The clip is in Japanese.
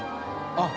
あっ。